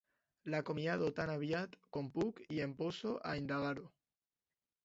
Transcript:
L'acomiado tan aviat com puc i em poso a indagar-ho.